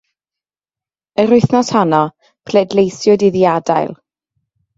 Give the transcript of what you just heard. Yr wythnos honno, pleidleisiwyd iddi adael.